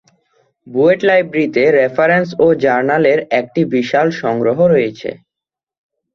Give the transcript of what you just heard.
বুয়েট লাইব্রেরীতে রেফারেন্স ও জার্নালের একটি বিশাল সংগ্রহ রয়েছে।